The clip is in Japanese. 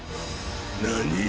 何？